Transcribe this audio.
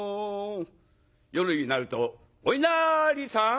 夜になると「おいなりさん」。